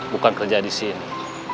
bukan kerja di sini